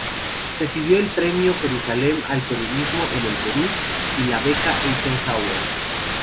Recibió el Premio Jerusalem al periodismo, en el Perú, y la beca Eisenhower.